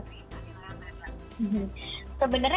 jadi apa yang terakhir apa yang terakhir